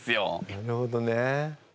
なるほどね。